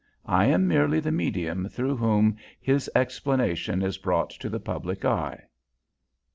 I am merely the medium through whom his explanation is brought to the public eye.